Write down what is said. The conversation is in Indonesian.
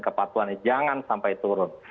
kepatuannya jangan sampai turun